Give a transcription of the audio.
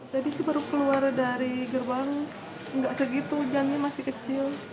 tadi sih baru keluar dari gerbang nggak segitu hujannya masih kecil